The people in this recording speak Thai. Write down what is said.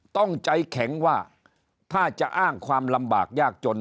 ต้องใจแข็งว่าถ้าจะอ้างความลำบากยากจน